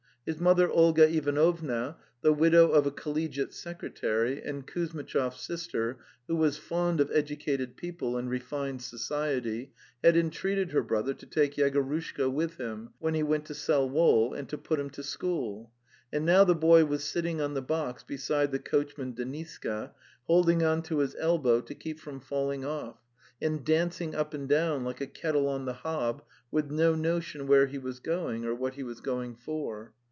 His mother, Olga Ivanovna, the widow of a collegi ate secretary, and Kuzmitchov's sister, who was fond of educated people and refined society, had entreated her brother to take Yegorushka with him when he went to sell wool and to put him to school; and now the boy was sitting on the box beside the coachman Deniska, holding on to his elbow to keep from fall ing off, and dancing up and down like a kettle on the hob, with no notion where he was going or what he was going for.